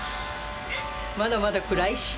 まだまだ暗いし。